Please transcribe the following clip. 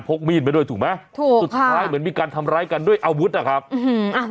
พูดแบบว่ายั่วยุกกันไปยั่วยุกกันมา